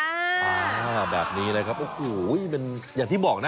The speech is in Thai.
อ่าแบบนี้นะครับโอ้โหเป็นอย่างที่บอกนะ